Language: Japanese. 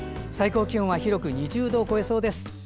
最高気温は広く２０度を超えそうです。